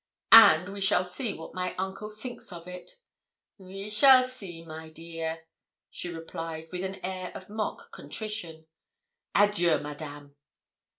'And we shall see what my uncle thinks of it.' 'We shall see, my dear,' she replied, with an air of mock contrition. 'Adieu, Madame!'